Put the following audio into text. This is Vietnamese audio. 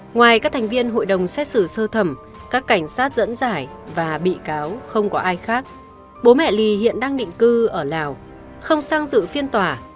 ngoài các thành viên hội đồng xét xử sơ thẩm các cảnh sát dẫn giải và bị cáo không có ai khác bố mẹ ly hiện đang định cư ở lào không sang dự phiên tòa